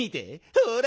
ほら！